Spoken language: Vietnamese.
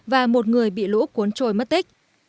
và một người bị lũ cuốn trôi mất tích